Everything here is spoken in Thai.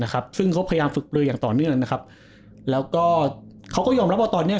ครับซึ่งเขาพยายามฝึกปลืออย่างต่อเนื่องนะครับแล้วก็เขาก็ยอมรับว่าตอนเนี้ย